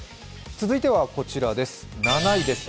続いてはこちら、７位です。